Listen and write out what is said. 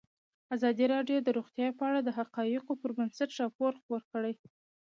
ازادي راډیو د روغتیا په اړه د حقایقو پر بنسټ راپور خپور کړی.